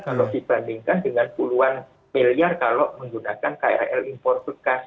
kalau dibandingkan dengan puluhan miliar kalau menggunakan krl impor bekas